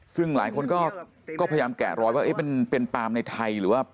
ซึ่งหลายคนก็พยายามแกะรอยว่ามันเป็นปาล์มในไทยหรือว่า